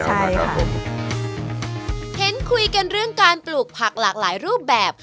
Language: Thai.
ใช่ค่ะเห็นคุยกันเรื่องการปลูกผักหลากหลายรูปแบบ